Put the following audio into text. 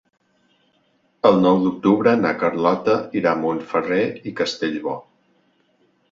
El nou d'octubre na Carlota irà a Montferrer i Castellbò.